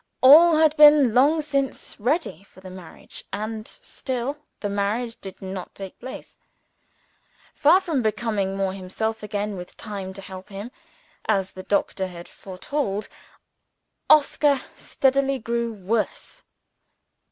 All had been long since ready for the marriage and still the marriage did not take place. Far from becoming himself again, with time to help him as the doctor had foretold Oscar steadily grew worse.